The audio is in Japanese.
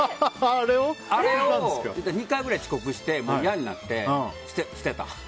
あれを２回くらい遅刻してもう嫌になって、捨てた。